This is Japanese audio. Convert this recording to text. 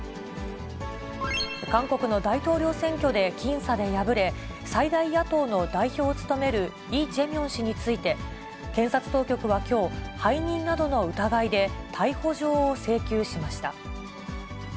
韓国の大統領選挙で僅差で敗れ、最大野党の代表を務めるイ・ジェミョン氏について、検察当局はきょう、背任などの疑いで逮捕状を請求しました。